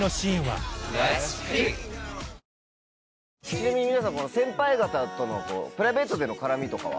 ちなみに皆さん先輩方とのプライベートでの絡みとかは？